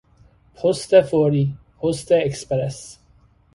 پست فوری، پست اکسپرس